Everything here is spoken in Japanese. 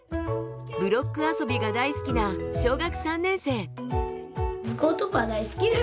ブロック遊びが大好きな小学３年生。